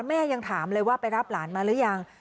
แม่ยังถามเลยว่าไปรับหลานมาหรือยัง